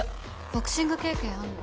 ボクシング経験あるの？